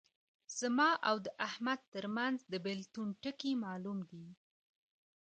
زما او د احمد ترمنځ د بېلتون ټکی معلوم دی.